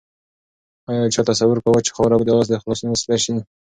آیا چا تصور کاوه چې خاوره به د آس د خلاصون وسیله شي؟